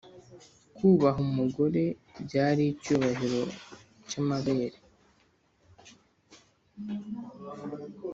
kubaha umugore, byari icyubahiro cy’amabere.